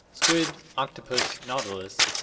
Squid, octopus, nautilus, etc.